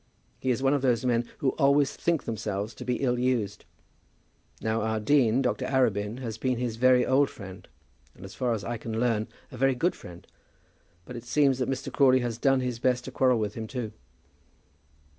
He is one of those men who always think themselves to be ill used. Now our dean, Dr. Arabin, has been his very old friend, and as far as I can learn, a very good friend; but it seems that Mr. Crawley has done his best to quarrel with him too."